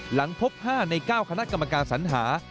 หลังพบ๕ใน๙คณะกรรมการสัญหา